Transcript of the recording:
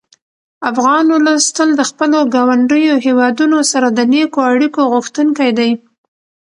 افغان ولس تل د خپلو ګاونډیو هېوادونو سره د نېکو اړیکو غوښتونکی دی.